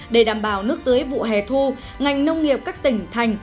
để đảm bảo nước tưới vụ hè thu ngành nông nghiệp các tỉnh thành